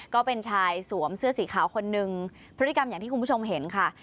ก็เป็นชายสวมเสื้อสีขาวคนนึงพฤติกรรมอย่างที่คุณผู้ชมเห็นค่ะ